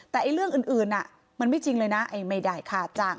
แต่เรื่องอื่นมันไม่จริงเลยนะไม่ได้ค่าจ้าง